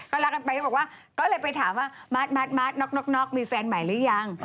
ก็รักกันไปก็บอกว่าก็เลยไปถามว่ามัดน็อกมีแฟนใหม่หรือยัง